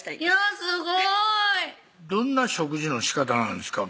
すごいどんな食事のしかたなんですか？